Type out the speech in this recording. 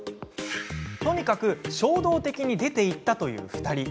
とにかく衝動的に出て行ったという２人。